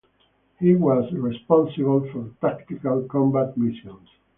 He was responsible for tactical combat missions.